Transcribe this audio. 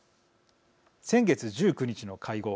先月１９日の会合。